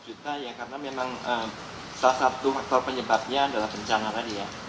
dua juta ya karena memang salah satu faktor penyebabnya adalah bencana tadi ya